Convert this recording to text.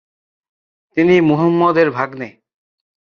তিনি মুহাম্মদ এর ভাগ্নে।